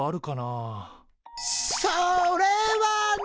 それはね。